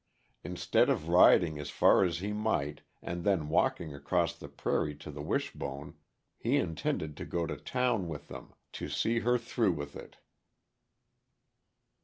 Instead of riding as far as he might, and then walking across the prairie to the Wishbone, he intended to go on to town with them "to see her through with it."